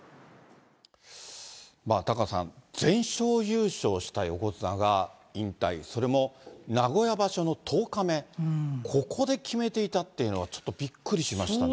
タカさん、全勝優勝した横綱が引退、それも名古屋場所の１０日目、ここで決めていたっていうのがちょっとびっくりしましたね。